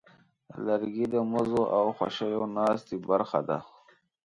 لرګی د مزو او خوښیو ناستې برخه ده.